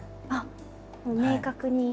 明確に。